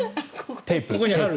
テープ。